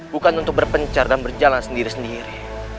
bukan untuk berpencar dan berjalan sendiri sendiri